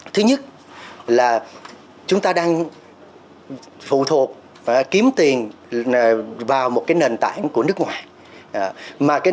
thứ nhất là chúng ta đang phụ thuộc và kiếm tiền vào một nền tảng của nước ngoài